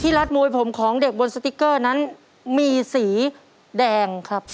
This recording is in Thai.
รัฐมวยผมของเด็กบนสติ๊กเกอร์นั้นมีสีแดงครับ